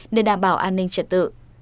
để đảm bảo an ninh trật tự